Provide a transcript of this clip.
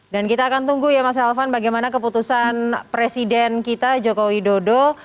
dan kita akan tunggu ya mas alvan bagaimana keputusan presiden kita jokowi dodo